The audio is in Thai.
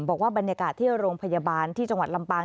บอกว่าบรรยากาศที่โรงพยาบาลที่จังหวัดลำปาง